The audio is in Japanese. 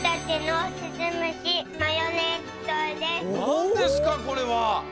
なんですかこれは？